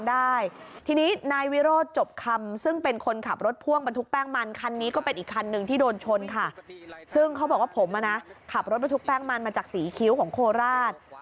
บันทุกแป้งมันคันนี้ก็เป็นอีกคันหนึ่งที่โดนชนค่ะซึ่งเขาบอกว่าผมอ่ะน่ะขับรถบันทุกแป้งมันมาจากสีคิ้วของโคราช